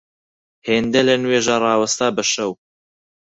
هێندە لە نوێژا ڕاوەستا بە شەو